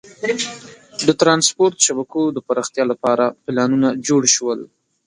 د ترانسپورت شبکو د پراختیا لپاره پلانونه جوړ شول.